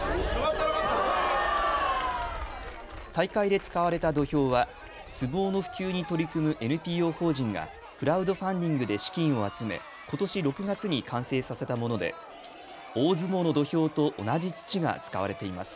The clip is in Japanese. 大会で使われた土俵は相撲の普及に取り組むＮＰＯ法人がクラウドファンディングで資金を集めことし６月に完成させたもので大相撲の土俵と同じ土が使われています。